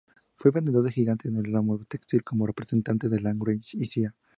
Fue vendedor viajante en el ramo textil, como representante de "Lange y Cía.